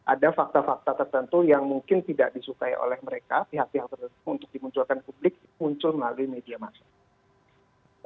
ada fakta fakta tertentu yang mungkin tidak disukai oleh mereka pihak pihak tertentu untuk dimunculkan publik muncul melalui media masa